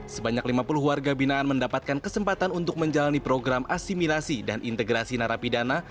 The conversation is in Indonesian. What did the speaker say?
sebanyak lima puluh warga binaan mendapatkan kesempatan untuk menjalani program asimilasi dan integrasi narapidana